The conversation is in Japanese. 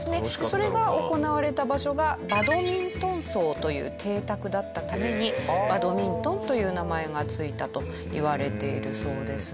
それが行われた場所がバドミントン荘という邸宅だったために「バドミントン」という名前が付いたといわれているそうですね